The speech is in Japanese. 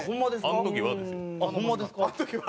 「あの時は」です。